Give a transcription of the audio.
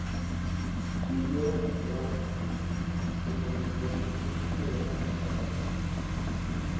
Vivió en Roma, y se convirtió en un ciudadano italiano.